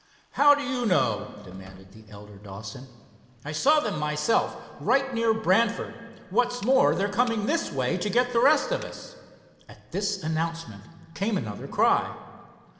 "How do you know?" demanded the elder Dawson. "I saw them myself right near Brantford. What's more, they're coming this way to get the rest of us." At this announcement came another cry.